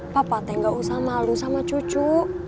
papa teh gak usah malu sama cucu